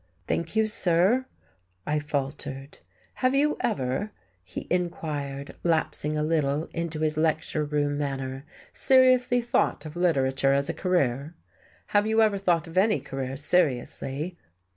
"Thank you, sir," I faltered. "Have you ever," he inquired, lapsing a little into his lecture room manner, "seriously thought of literature as a career? Have you ever thought of any career seriously?"